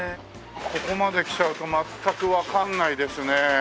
ここまできちゃうと全くわからないですね。